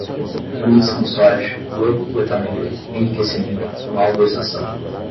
litisconsorte, locupletamento, enriquecimento, malversação